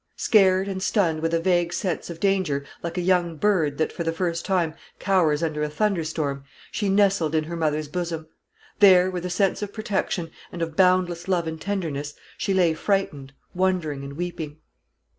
Scared and stunned with a vague sense of danger, like a young bird that, for the first time, cowers under a thunderstorm, she nestled in her mother's bosom; there, with a sense of protection, and of boundless love and tenderness, she lay frightened, wondering, and weeping.